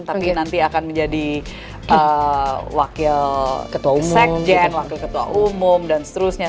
tapi nanti akan menjadi wakil ketua umum wakil ketua umum dan seterusnya